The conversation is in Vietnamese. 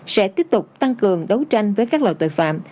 sẽ tiếp tục tăng cường đấu tranh với các loại tội phạm